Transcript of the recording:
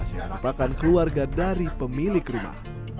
yang merupakan keluarga dari pemilik rumah